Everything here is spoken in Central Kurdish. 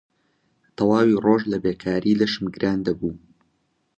تەواوی ڕۆژ لە بێکاری لەشم گران دەبوو